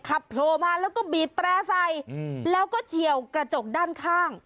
ขับโทรมาแล้วก็บีดแปลใส่แล้วก็เฉียวกระจกด้านข้าง